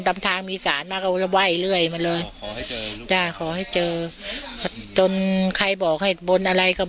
ทำทางมีศาลมาเขาก็ไหว่เรื่อยมาเลยจ้ะขอให้เจอจนใครบอกให้บนอะไรก็บวก